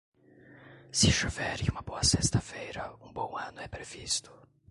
Se chover em uma boa sexta-feira, um bom ano é previsto.